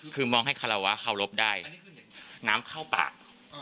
คือมองให้คาราวะเคารพได้อันนี้คืออย่างงี้น้ำเข้าปากอ่า